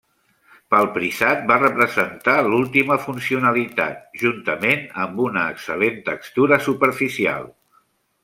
Pel prisat va representar l'última funcionalitat, juntament amb una excel·lent textura superficial.